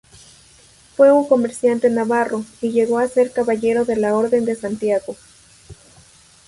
Fue un comerciante navarro, y llegó a ser caballero de la Orden de Santiago.